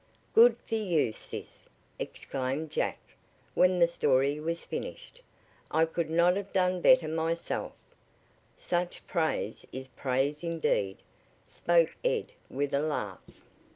"Good for you, sis!" exclaimed Jack, when the story Was finished. "I could not have done better myself." "Such praise is praise indeed," spoke Ed with a laugh.